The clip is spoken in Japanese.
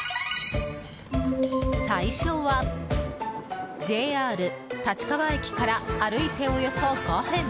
最初は、ＪＲ立川駅から歩いておよそ５分。